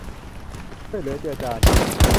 ช่วยเหลือเจือจาน